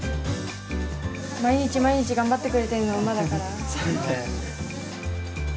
毎日毎日頑張ってくれているのは馬だから。